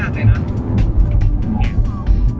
ทุกคนดูดิรถมันนิ่งมากเลยนะ